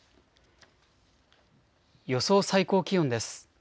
予想最高気温です。